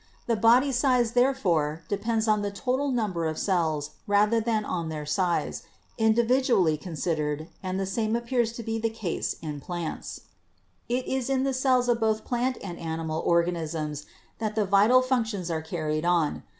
The body size therefore depends on the total num ber of cells rather than on their size, individually consid ered, and the same appears to be the case in plants. 88 BIOLOGY It is in the cells of both plant and animal organisms that the vital functions are carried on.